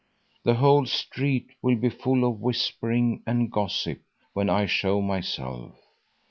The whole street will be full of whispering and gossip when I show myself.